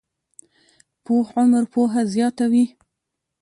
پوخ عمر پوهه زیاته وي